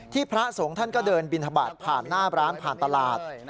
พระสงฆ์ท่านก็เดินบินทบาทผ่านหน้าร้านผ่านตลาด